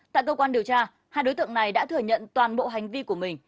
tại cơ quan điều tra hai đối tượng này đã thừa nhận toàn bộ hành vi của mình